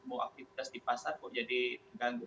tapi kalau ada rapid test di pasar kok jadi terganggu